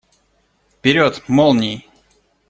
Вперед! Молнией!